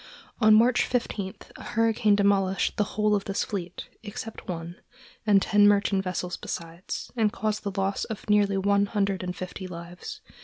On March 15 a hurricane demolished the whole of this fleet, except one, and ten merchant vessels besides, and caused the loss of nearly one hundred and fifty lives.